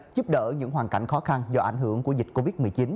giúp đỡ những hoàn cảnh khó khăn do ảnh hưởng của dịch covid một mươi chín